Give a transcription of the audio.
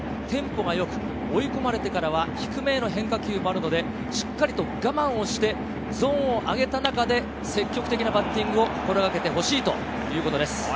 テンポがよく、追い込まれてからは、低めの変化球もあるので、しっかり我慢をしてゾーンを上げた中で積極的なバッティングを心がけてほしいということです。